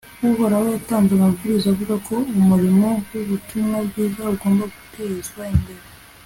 uhoraho yatanze amabwiriza avuga ko umurimo w'ubutumwa bwiza ugomba gutezwa imbere